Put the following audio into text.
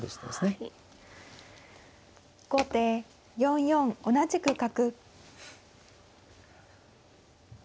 後手４四同じく角。